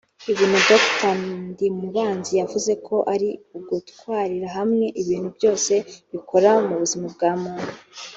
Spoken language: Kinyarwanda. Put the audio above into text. ibintu Dr Ndimubanzi yavuze ko ari ugutwarira hamwe ibintu byose bikora ku buzima bwa muntu